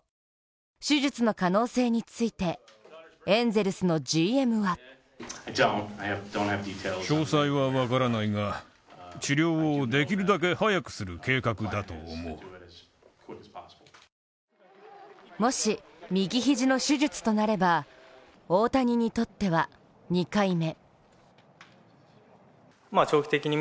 手術の可能性について、エンゼルスのＧＭはもし右肘の手術となれば大谷にとっては２回目。